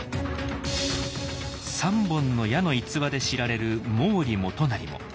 「三本の矢」の逸話で知られる毛利元就も。